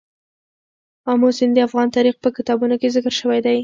آمو سیند د افغان تاریخ په کتابونو کې ذکر شوی دی.